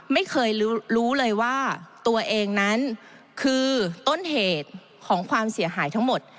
ไม่เคยรู้เลยว่าตัวเองนั้นคือต้นเหตุของความเสียหายทั้งหมด